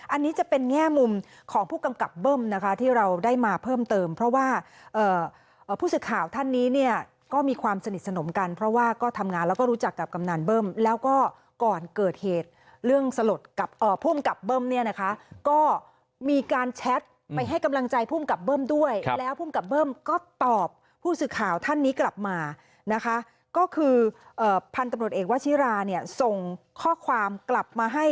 อันนี้จะเป็นแง่มุมของผู้กำกับเบิ้มนะคะที่เราได้มาเพิ่มเติมเพราะว่าผู้สื่อข่าวท่านนี้เนี่ยก็มีความสนิทสนมกันเพราะว่าก็ทำงานแล้วก็รู้จักกับกำนันเบิ้มแล้วก็ก่อนเกิดเหตุเรื่องสลดกับภูมิกับเบิ้มเนี่ยนะคะก็มีการแชทไปให้กำลังใจภูมิกับเบิ้มด้วยแล้วภูมิกับเบิ้มก็ตอบผู้สื่อข่าวท่านนี้กลับมานะคะก็คือพันธุ์ตำรวจเอกวชิราเนี่ยส่งข้อความกลับมาให้